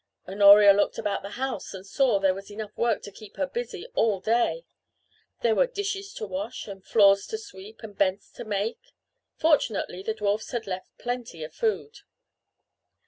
Honoria looked about the house and saw that there was enough work to keep her busy all day. There were dishes to wash and floors to sweep and beds to make. Fortunately the dwarfs had left plenty of food.